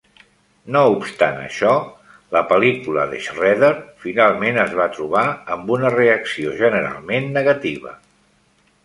No obstant això, la pel·lícula de Schrader finalment es va trobar amb una reacció generalment negativa.